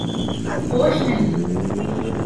ہوش نہیں